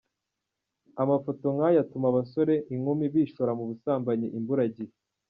Amafoto nkaya atuma abasore-inkumi bishora mu busambanyi imburagihe.